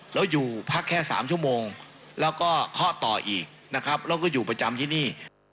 แล้วอยู่พักแค่๓ชั่วโมงแล้วก็เคาะต่ออีกนะครับแล้วก็อยู่ประจำที่นี่